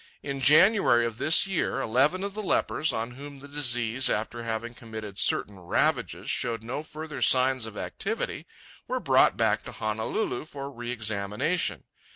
In January of this year, eleven of the lepers, on whom the disease, after having committed certain ravages, showed no further signs of activity, were brought back to Honolulu for re examination.